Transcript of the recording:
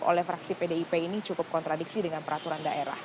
oleh fraksi pdip ini cukup kontradiksi dengan peraturan daerah